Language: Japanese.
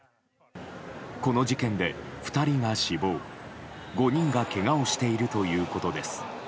この事件で２人が死亡５人がけがをしているということです。